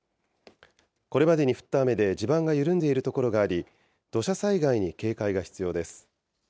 これまでに降った雨で地盤が緩んでいる所があり、土砂災害に警戒が必要です。